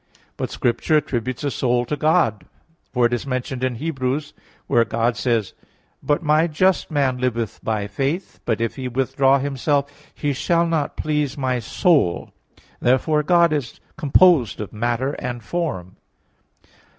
But Scripture attributes a soul to God; for it is mentioned in Hebrews (Heb. 10:38), where God says: "But My just man liveth by faith; but if he withdraw himself, he shall not please My soul." Therefore God is composed of matter and form.